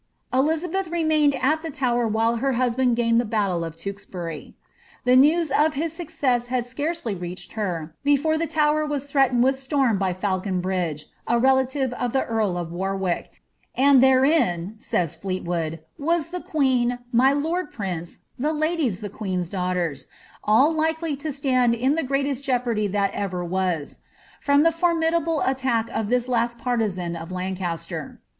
Elizabeth remained at the Tower while her husband gained the battle of Tewksbury. The news of his success had scarcely reached her, before the Tower waa threatened with storm by Falconbndge, a relative of the earl of Warwick, and ^ therein," says Fleetwood, was the queen, my loni prince, and the ladiin the king's daughters, all likely to stand in the greatest jeopardy that ever was," from the formidable attack of this last partisan of Lan caster.